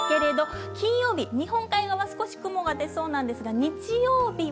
金曜日、日本海側は少し雲が出そうですが日曜日